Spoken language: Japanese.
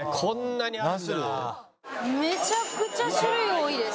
めちゃくちゃ種類多いです。